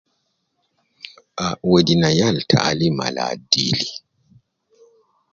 Ah wedi ne yal taalim al adil